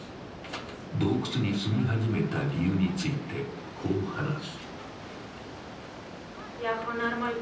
洞窟に住み始めた理由についてこう話す。